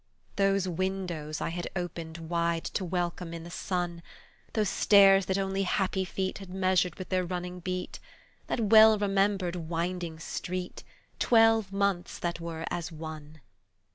Those windows I had opened wide To welcome in the sun! Those stairs that only happy feet Had measured with their running beat! That well remembered winding street! Twelve months that were as one!